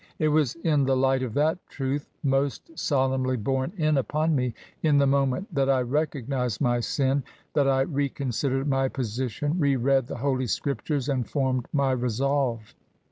It was in the light of that truth — most sol emnly borne in upon me in the moment that I recognised my sin — ^that I reconsidered my position, re read the Holy Scriptures, and formed my resolve."